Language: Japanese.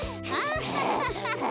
ハハハハ。